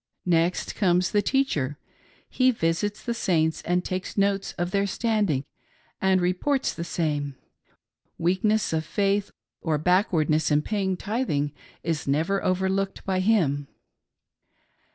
Next comes the " Teacher" ;— he visits the Saints and takes note of their standing — and reports the same :— weakness of faith or back wardness in paying tithing is never overlooked by him.